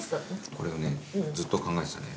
これをねずっと考えてたね。